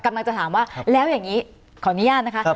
กำลังจะถามว่าแล้วอย่างนี้ขออนุญาตนะคะ